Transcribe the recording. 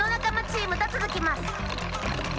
チームとつづきます。